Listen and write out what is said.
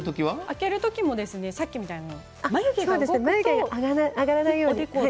開ける時もさっきみたいに眉毛が上がらないように。